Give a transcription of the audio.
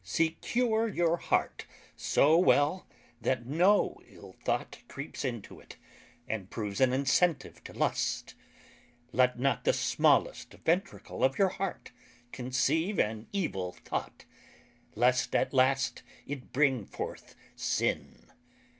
Secure your Heart so well that no ill thought creeps into it, and proves an incentive to lust; let not the smallest ventricle of your heart conceive an evil thought, lest at last it bring forth sin.